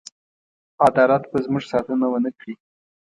عدالت به زموږ ساتنه ونه کړي.